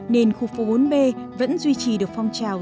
nên khu phố bốn b vẫn duy trì được phong trào